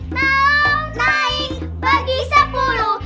kalau naik bagi sepuluh